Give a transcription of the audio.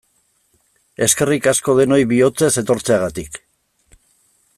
Eskerrik asko denoi bihotzez etortzeagatik!